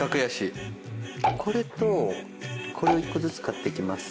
これとこれを１個ずつ買っていきます。